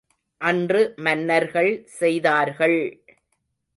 அன்று மன்னர்கள் செய்தார்கள்!